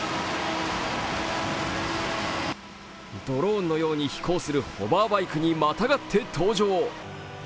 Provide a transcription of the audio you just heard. ドローンのように飛行するホバーバイクにまたがって登場。